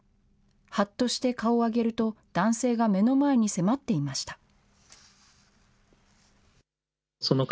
はっとして顔を上げると、男性が目の前に迫っていました。